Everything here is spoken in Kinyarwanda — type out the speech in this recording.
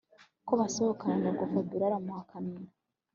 ko basohokana nuko Fabiora aramuhakanira